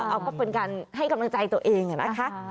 เอาก็เป็นการให้กำลังใจตัวเองนะคะ